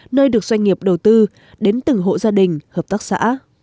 nơi được doanh nghiệp đầu tư đến từng hộ gia đình hợp tác xã